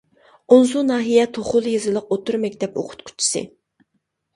ئونسۇ ناھىيە توخۇلا يېزىلىق ئوتتۇرا مەكتەپ ئوقۇتقۇچىسى.